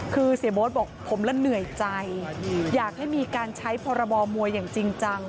คือเสียโบ๊ทบอกผมละเหนื่อยใจอยากให้มีการใช้พรบมวยอย่างจริงจัง